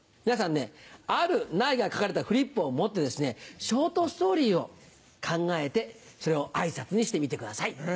皆さん「ある」「ない」が書かれたフリップを持ってですねショートストーリーを考えてそれを挨拶にしてみてください。